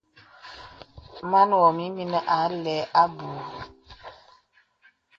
Màn wām ìmìnī a lɛ abù.